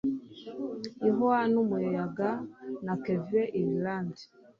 ihwa n'umuyaga. na kevin irilande